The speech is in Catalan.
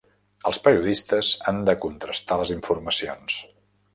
Els periodistes han de contrastar les informacions.